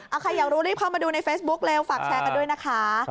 เอาใครอยากรู้รีบเข้ามาดูในเฟซบุ๊คเร็วฝากแชร์กันด้วยนะคะ